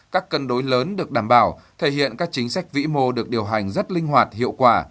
các cân đối lớn được đảm bảo thể hiện các chính sách vĩ mô được điều hành rất linh hoạt hiệu quả